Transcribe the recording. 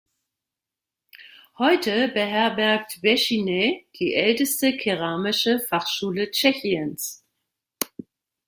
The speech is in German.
Heute beherbergt Bechyně die älteste keramische Fachschule Tschechiens.